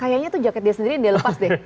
kayaknya tuh jaket dia sendiri yang dia lepas deh